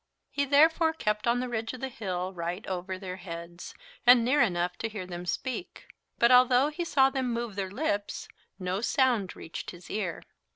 He therefore kept on the ridge of the hill, right over their heads, and near enough to hear them speak; but although he saw them move their lips, no sound reached his ear.